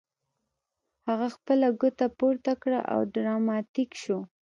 هغه خپله ګوته پورته کړه او ډراماتیک شو